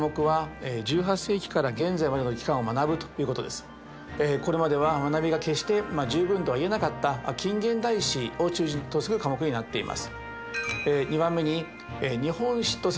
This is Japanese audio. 第１にこの科目はこれまでは学びが決して十分とは言えなかった近現代史を中心とする科目になっています。